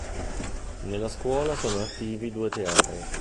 Nella scuola sono attivi due teatri.